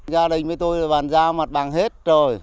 gia đình với tôi là bàn giao mặt bằng hết rồi